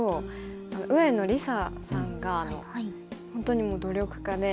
上野梨紗さんが本当にもう努力家で。